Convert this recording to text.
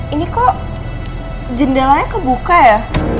ini kok jendelanya kebuka ya